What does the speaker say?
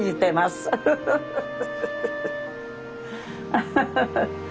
アハハハ。